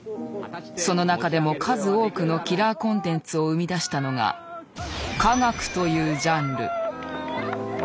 その中でも数多くのキラーコンテンツを生み出したのが科学というジャンル。